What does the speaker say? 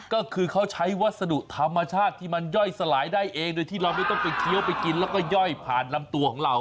ก็คือเขาใช้วัสดุธรรมชาติที่มันย่อยสลายได้เองโดยที่เราไม่ต้องไปเคี้ยวไปกินแล้วก็ย่อยผ่านลำตัวของเรา